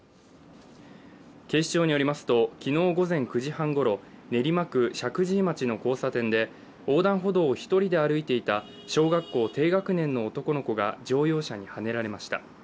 警視庁によりますと昨日午前９時半ごろ練馬区石神井町の交差点で横断歩道を１人で歩いていた小学校低学年の男の子が乗用車にはねられました。